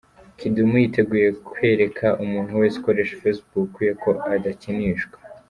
Kidum yiteguye kwereka umuntu wese ukoresha facebook ye ko adakinishwa.